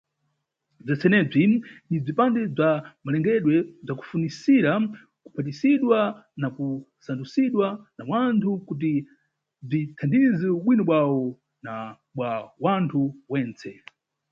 Bzentsenebzi ni bzipande bza malengedwe bzakukwanisira kuphatizidwa na kusandusidwa na wanthu, kuti bzithandize ubwino bwawo na bwa wanthu wentse.